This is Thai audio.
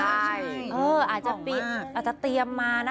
อ่าออจะเตรียมมา